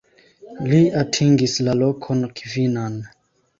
Li atingis la lokon kvinan.